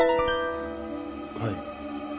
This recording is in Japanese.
はい。